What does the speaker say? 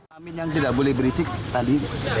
amin yang tidak boleh berisik tadi